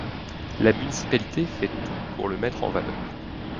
La municipalité fait tout pour le mettre en valeur.